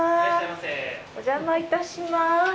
お邪魔いたします。